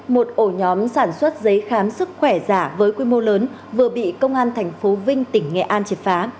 một ổ nhóm sản xuất giấy khám sức khỏe giả với quy mô lớn vừa bị công an thành phố vinh tỉnh nghệ an chết phá